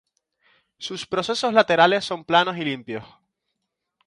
Sus procesos laterales son planos y amplios.